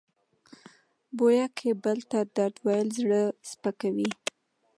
بویه که بل ته درد ویل زړه سپکوي.